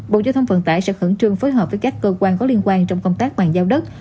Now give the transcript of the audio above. bộ giao thông vận tải sẽ khẩn trương phối hợp với các cơ quan có liên quan trong công tác bàn giao đất